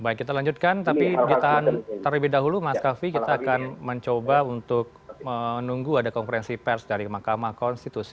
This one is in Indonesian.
baik kita lanjutkan tapi ditahan terlebih dahulu mas kavi kita akan mencoba untuk menunggu ada konferensi pers dari mahkamah konstitusi